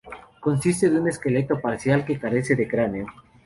Consiste de un esqueleto parcial, que carece de cráneo.